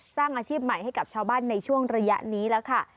สร้างอาชีพใหม่ให้กับชาวบ้านในช่วงระยะนี้แล้วค่ะ